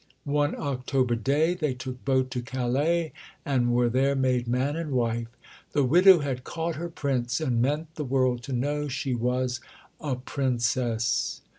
One October day they took boat to Calais, and were there made man and wife. The widow had caught her Prince and meant the world to know she was a Princess.